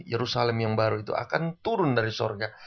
yerusalem yang baru itu akan turun dari surga